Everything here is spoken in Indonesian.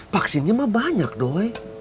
vaksinnya mah banyak doy